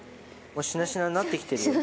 しなしなになってきてるよ。